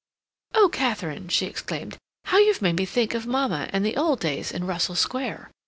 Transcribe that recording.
"Oh, Katharine," she exclaimed, "how you've made me think of Mamma and the old days in Russell Square!